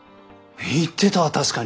言ってたわ確かに。